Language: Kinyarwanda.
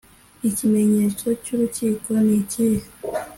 ikimenyetso cy urukiko nikihe